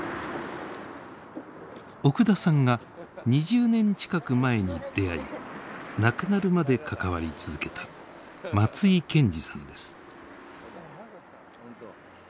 奥田さんが２０年近く前に出会い亡くなるまで関わり続けた松井さんです。